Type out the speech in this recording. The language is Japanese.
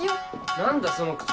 何だその口調